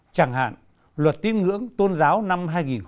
chẳng hạn luật tiếng ngưỡng tôn giáo năm hai nghìn một mươi